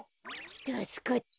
たすかった。